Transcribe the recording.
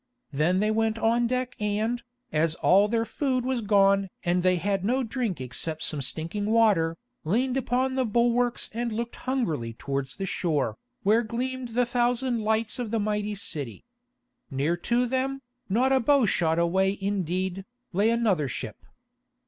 Then they went on deck and, as all their food was gone and they had no drink except some stinking water, leaned upon the bulwarks and looked hungrily towards the shore, where gleamed the thousand lights of the mighty city. Near to them, not a bowshot away indeed, lay another ship.